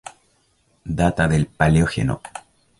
Data del Paleógeno.